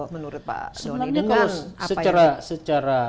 menurut pak doni